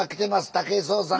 武井壮さん。